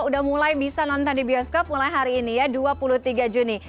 udah mulai bisa nonton di bioskop mulai hari ini ya dua puluh tiga juni